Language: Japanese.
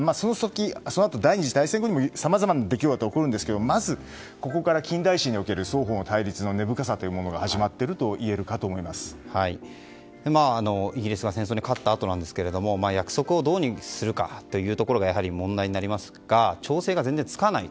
そのあと、第２次大戦後どさまざまな出来事起こるんですけどまず、ここから近代史における双方の対立の根深さがイギリスは戦争に勝ったあとなんですが約束をどうするかというところが問題になりますが調整が全然つかない